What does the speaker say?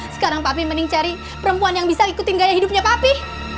sekarang papi mending cari perempuan yang bisa ikutin gaya hidupnya papi